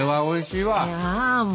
いやもう。